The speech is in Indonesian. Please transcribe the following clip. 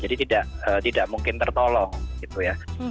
jadi tidak mungkin tertolong gitu ya